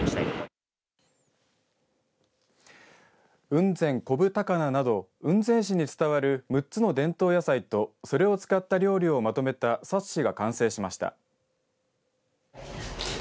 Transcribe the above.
雲仙こぶ高菜など雲仙市に伝わる６つの伝統野菜とそれを使った料理をまとめた冊子が完成しました。